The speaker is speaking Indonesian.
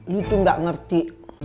lu tuh ga ngerti